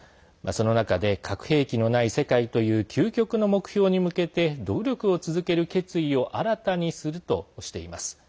その中で核兵器のない世界という究極の目標に向けて努力を続ける決意を新たにするとしています。